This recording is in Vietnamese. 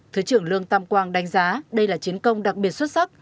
thứ trưởng lương tam quang đánh giá đây là chiến công đặc biệt xuất sắc